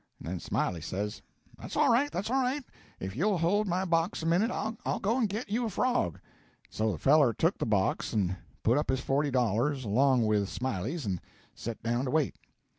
And then Smiley says: 'That's all right that's all right; if you'll hold my box a minute, I'll go and get you a frog.' And so the feller took the box and put up his forty dollars along with Smiley's and set down to wait.